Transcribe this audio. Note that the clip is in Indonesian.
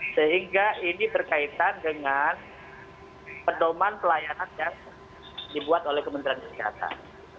sehingga ini berkaitan dengan pedoman pelayanan yang dibuat oleh kementerian kesehatan